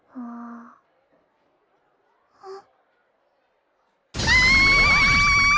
ああ！